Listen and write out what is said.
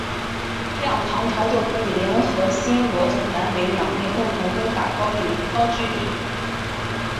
这样唐朝就可以联合新罗从南北两面共同攻打高句丽。